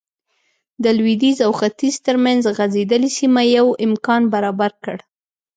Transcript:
د لوېدیځ او ختیځ ترمنځ غځېدلې سیمه یو امکان برابر کړ.